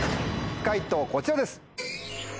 解答こちらです。